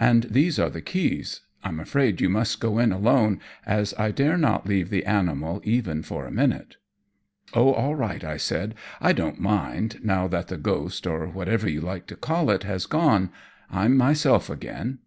"And these are the keys. I'm afraid you must go in alone, as I dare not leave the animal even for a minute." "Oh, all right," I said. "I don't mind, now that the ghost, or whatever you like to call it, has gone; I'm myself again."